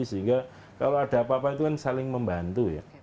sehingga kalau ada apa apa itu kan saling membantu ya